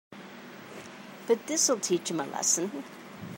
But this'll teach them a lesson.